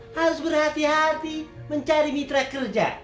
harus berhati hati mencari mitra kerja